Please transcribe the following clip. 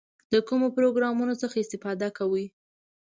د کومو پروګرامونو څخه استفاده کوئ؟